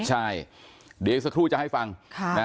ใช่เดี๋ยวสักครู่จะให้ฟังค่ะ